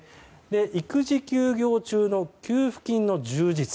育児休業中の給付金の充実。